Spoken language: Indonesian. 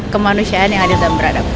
kemanusiaan yang adil dan beradab